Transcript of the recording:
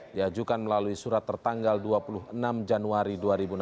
diajukan melalui surat tertanggal dua puluh enam januari dua ribu enam belas